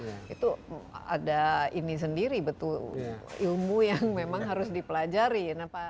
dan itu ada ini sendiri betul ilmu yang memang harus dipelajari